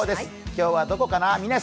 今日はどこかな？